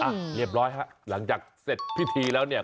อ่ะเรียบร้อยฮะหลังจากเสร็จพิธีแล้วเนี่ย